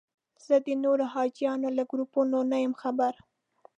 زه د نورو حاجیانو له ګروپونو نه یم خبر.